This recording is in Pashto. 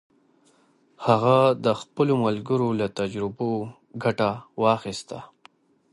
هغه د خپلو ملګرو له تجربو ګټه واخیسته.